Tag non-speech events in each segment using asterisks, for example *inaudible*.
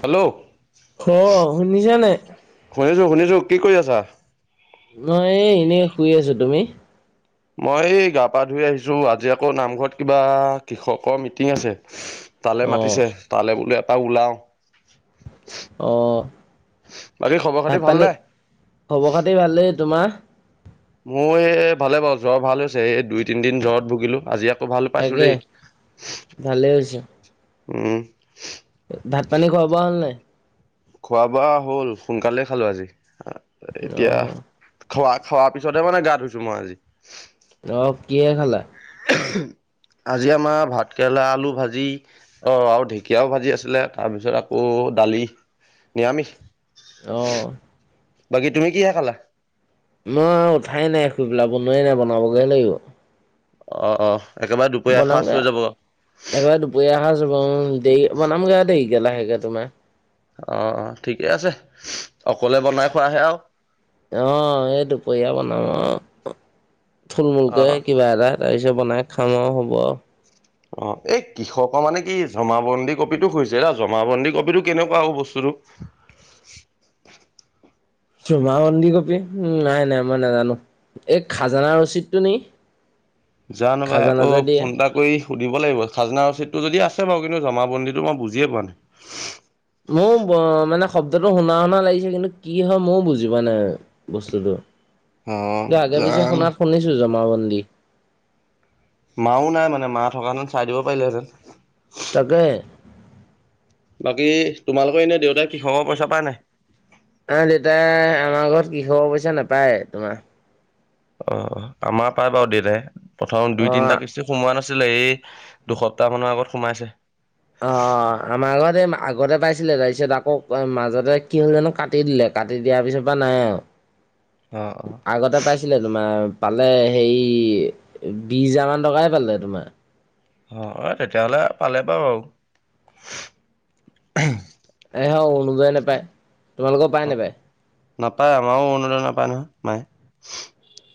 Hello অ শুনিছা নাই শুনিছো শুনিছো কি কৰি আছা মই এনেই শুই আছো তুমি মই এই গা পা ধুই আহিছো আজি আকৌ নামঘৰত কিবা কৃষকৰ মিটিং আছে তালে অ মাতিছে তালৈ বোলেো এটা ওলাও অ বাকী খবৰ খাতি ভাত পানী ভালনে? খবৰ খাতি ভাল দেই তোমাৰ মোৰ এই ভালে বাৰু জ্বৰ ভাল হৈছে এই দুই তিনিদিন জ্বৰত ভুগিলো আজি ত ভাল পাইছো তাকে দেই ভালেই হৈছে উম ভাত পানী খোৱা বোৱা হ'ল নাই খোৱা বোৱা হ'ল সোনকালে খালো আজি এতিয়া আহ খোৱা খোৱাৰ পিছতহে মানে গা ধুইছো মই আজি আহ কি খালা *unintelligible* আজি আমাৰ ভাত কেৰেলা আলু ভাজি অ আৰু ঢেকীয়াও ভাজি আছিলে তাৰপিছত আকৌ দালি নিৰামিষ অহ বাকী তুমি কিহে খালা ন উঠাই নাই শুই পেলা বনোৱাই নাই বনাবগে লাগিব অ অ একেবাৰে দুপৰীয়া এসাঁজ বনংগা হৈ যাব অ একবাৰে দুপৰীয়া অহাৰ উ দে বনাম গা দেৰি গেলাাহেগে তোমাৰ অ ঠিকে আছে অকলে বনাই খোৱাহে আৰু আহ এইটো পিয় বনামা থুল অ মূুলকে কিবা এটা তাৰপিছত বনাই খাম আৰু হ'ব আৰু অ এই কৃষকৰ মানে কি জমাাবন্দী কপ টো খুইছে এৰা জমাাবন্দী কপ টো কেনেকুৱা বস্তু আৰু জোমা মন্দি কপি উম নাই নাই মই নাজানো এই খাজানা ৰচিদটো নিে জানো বাই আকৌ ফোনটা কৰি সুধিব লাগিব খাজনা ৰচিদটো যদি আছে বাৰু কিন্তু জমাাবন্দীটো মই বুজিয়ে পোৱা নাই মও মানে শব্দটো শুনা শুনা লাগিছে কিন্তু কি হয় ময়ও বুজি প নাই বস্তুটো অ তই আগে পিছে জানো শুনাত শুনিছো জমাবন্দী মাও নাই মানে মা থকা যেতেন চাই দিব পাৰিলেহেঁতেন তাকে বাকী তোমালোকৰ এনে দেউতাই কৃষকৰ পইচা পাই নাই অ দেউতাই আমাৰ ঘৰত কৃষকৰ পইচা নাপায় তোমাৰ অ আমাৰ পাই বাৰু দেউতাই প্ৰথম অ দুই তিনিটা কিস্তি সোমোৱা নাছিল ছিলে এই দুসপ্তাহ মানৰ আগত সোমাইছে অ আমাৰ আগত এই আগতে পাইছিলে তাৰপিছত আকৌ মাজতে কি হল জানো কাটি দিলে কাটি দিয়াৰ পিছত পৰা নাই আৰু অ অ আগতে পাইছিলে তোমাৰ পালে হেৰি বিশ হোজাৰমানান টকাই পালে তোমাৰ অ তেতিয়াহলে পালে বাৰু আৰু এ হ অনুদয় নাপায় তোমালোকৰ পায় নাপায় নাপায় আমাৰো অৰোণোদয় নাপায় নহয় মায়ে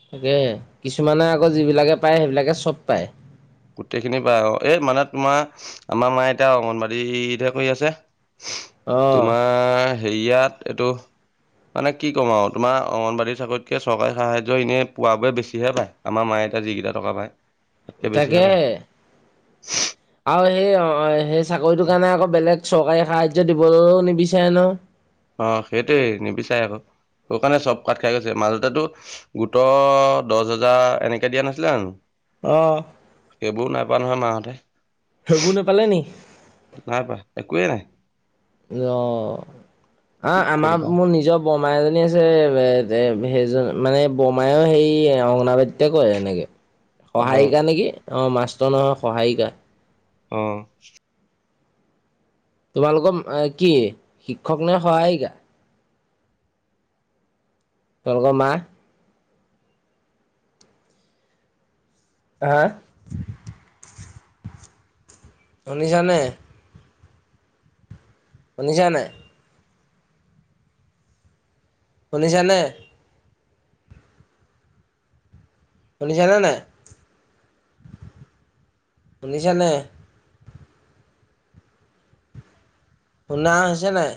তাকে কিছুমানে আকৌ যিবিলাকে পায় সেইবিলাকে চব পায় গোটেইখিনি পাই অ এই মানে তোমাৰ আমাৰ মা এতয়া অংগনবাদীতহে কৰি আছে অ তোমাৰ হেৰিয়াত এইটো মানে কি ক'ম আৰু তোাৰংগনবাড়ী চাকৰিতকে চৰকাৰী সাহায্য এনেই পোৱ বোৰে বেছিহে পায় আমাৰ মায়ে যিকেইটা টকা পায় তাতকে বেছিহে পায়। তাকেহে আৰু সেই অ সেই চাকৰিটোৰ কাৰণে আকৌ বেলেগ চৰকাৰে সাহায্য দিবলৈও নিবিচাৰে ন অ সেইটোৱে নিবিচাৰে আকৌ সেই কাৰণে চব কঠ খাই গৈছে মাজতেতো গোটৰ দহ হাজাৰ এনেকে দিয়া নাছিলে জানো অহ কোৱা নহয় মাহঁতে নি নাই পাই একোৱেই নাই অ কি আহ আমাৰ কৰিবা মোৰ নিজৰ বন্ মাই এজনী আছে এ সেইজন মানে বৰমায়েও সেই অগনাবাদীটে কৰে এনেকে অ', সহায়িকা নেকি অ মাষ্টৰ নহয় সহায়িকা অহ তোমালোকৰ কি শিক্ষক নে সহায়িকা তোমালোকৰ মা হা শুনিছানে শুনিছা নাই শুনিছা নে শুনিছানে নাই শুনিছা নে শুনা হৈছে নাই